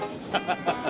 ハハハッ。